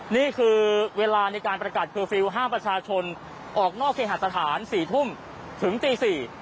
นี่คือเวลาในการประกาศเคอร์ฟิลล์ห้ามประชาชนออกนอกเคหาสถาน๔ทุ่มถึงตี๔